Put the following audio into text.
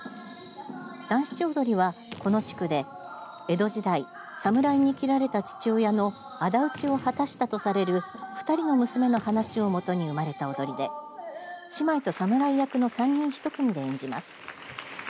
団七踊りは、この地区で江戸時代、侍に切られた父親のあだ討ちを果たしたとされる２人の娘の話を基に生まれた踊りで姉妹と侍役の３人１組で演じます。